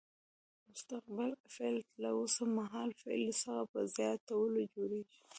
مستقبل فعل له اوس مهال فعل څخه په زیاتولو جوړیږي.